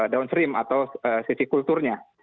downstream atau sisi kulturnya